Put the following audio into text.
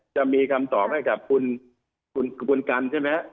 จะมีคำตอบให้กับคุณกันใช่ไหม